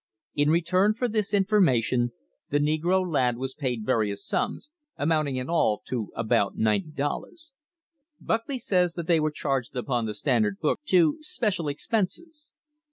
In return for this information the negro lad was paid various sums, amounting in all to about ninety dollars. Buckley says that they were charged upon the Standard books to "Special Expenses."